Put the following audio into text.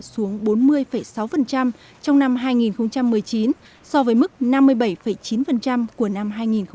xuống bốn mươi sáu trong năm hai nghìn một mươi chín so với mức năm mươi bảy chín của năm hai nghìn một mươi tám